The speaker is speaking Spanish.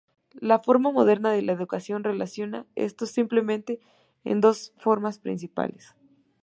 La forma moderna de la ecuación relaciona estos simplemente en dos formas principales.